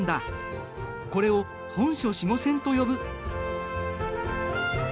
これを本初子午線と呼ぶ。